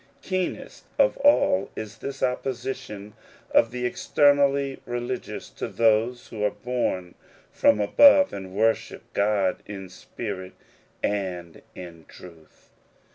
Keenest of all is this opposition of the externally religious, to those who are bom from above and worship God in spirit and in truth.